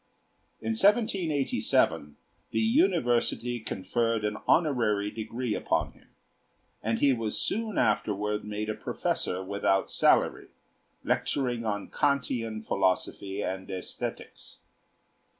In 1787 the university conferred an honorary degree upon him, and he was soon afterward made a professor without salary, lecturing on Kantian philosophy and æsthetics.